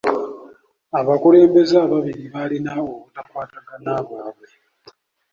Abakulembeze ababiri baalina obutakwatagana bwabwe.